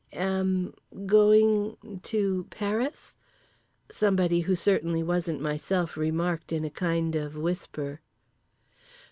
Am? Going? To? Paris?" somebody who certainly wasn't myself remarked in a kind of whisper.